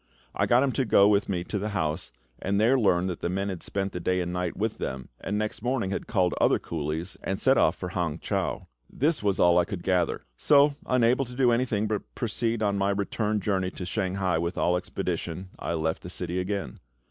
I got him to go with me to the house, and there learned that the man had spent the day and night with them, and next morning had called other coolies, and set off for Hang chau. This was all I could gather; so, unable to do anything but proceed on my return journey to Shanghai with all expedition, I left the city again.